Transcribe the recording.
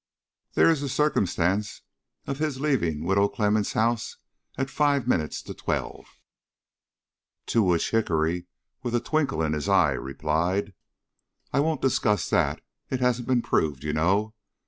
There is the circumstance of his leaving Widow Clemmens' house at five minutes to twelve." To which Hickory, with a twinkle in his eye, replied: "I won't discuss that; it hasn't been proved, you know.